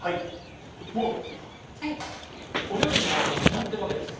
もうお料理のほうは決まってるわけですか？